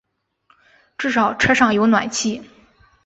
至少车上有暖气